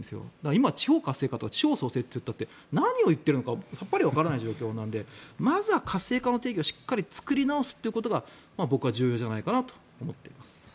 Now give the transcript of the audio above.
今、地方活性化地方創生といったって何を言っているのかさっぱりわからない状況なのでまずは活性化の定義を作り直すことが僕は重要じゃないかなと思います。